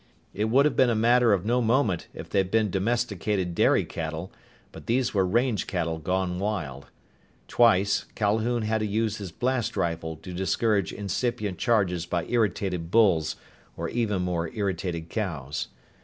It would have been a matter of no moment if they'd been domesticated dairy cattle, but these were range cattle gone wild. Twice, Calhoun had to use his blast rifle to discourage incipient charges by irritated bulls or even more irritated cows.